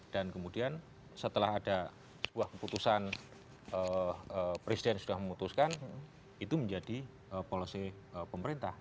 dan kemudian setelah ada sebuah keputusan presiden sudah memutuskan itu menjadi polosi pemerintah yang harus dilaksanakan oleh para pemantunya